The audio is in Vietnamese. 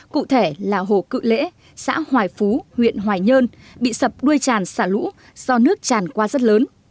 cụ thể là hồ cự lễ xã hoài phú huyện hoài nhơn bị sập đuôi tràn xả lũ do nước tràn qua rất lớn